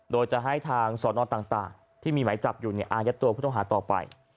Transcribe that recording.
โดยจะให้ทางสอนอนต่างที่มีหมายจับอยู่อายัดตัวผู้ต้องหาต่อไป